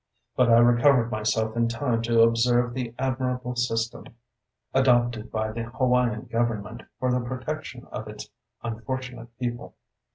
But I recovered myself in time to observe the admirable system adopted by the Hawaiian government for the protection of its unfortunate people.